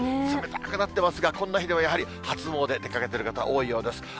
冷たくなってますが、こんな日でもやはり、初詣、出かけてる方、多いようです。